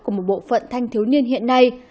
của một bộ phận thanh thiếu niên hiện nay